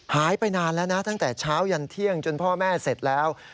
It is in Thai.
หายไปนานแล้วนะตั้งแต่เช้ายันเที่ยงจนพ่อแม่เสร็จแล้ว